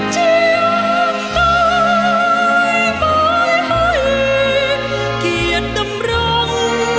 จะตายไปให้เกียรติดำรอง